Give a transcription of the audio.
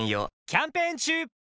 キャンペーン中！